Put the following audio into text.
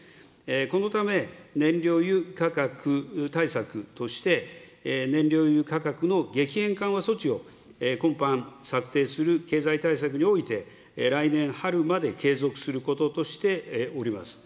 このため、燃料油価格対策として、燃料油価格の激変緩和措置を今般策定する経済対策において、来年春まで継続することとしております。